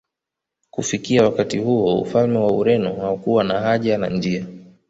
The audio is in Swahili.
Kufikia wakati huo ufalme wa Ureno haukuwa na haja na njia